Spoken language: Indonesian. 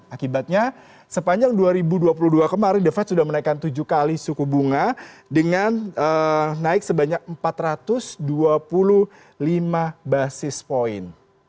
akibatnya sepanjang dua ribu dua puluh dua kemarin the fed sudah menaikkan tujuh kali suku bunga dengan naik sebanyak empat ratus dua puluh lima basis point